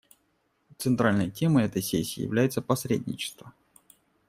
Центральной темой этой сессии является посредничество.